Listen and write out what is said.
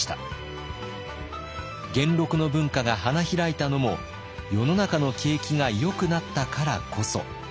元禄の文化が花開いたのも世の中の景気がよくなったからこそ。